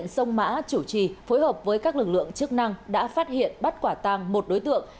sông mã chủ trì phối hợp với các lực lượng chức năng đã phát hiện bắt quả tàng một đối tượng